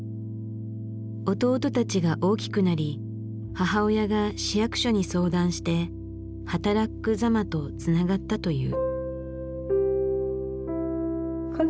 弟たちが大きくなり母親が市役所に相談して「はたらっく・ざま」とつながったという。